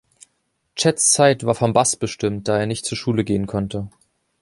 Chads Zeit war vom Bass bestimmt, da er nicht zur Schule gehen konnte.